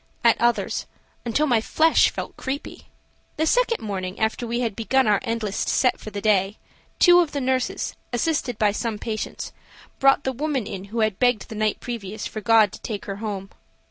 at others until my flesh felt creepy. The second morning, after we had begun our endless "set" for the day, two of the nurses, assisted by some patients, brought the woman in who had begged the night previous for God to take her home.